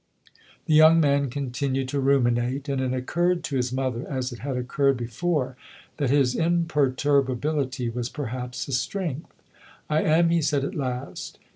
The young man continued to ruminate, and it occurred to his mother, as it had occurred before, that his imperturbability was perhaps a strength. " I am," he said at last.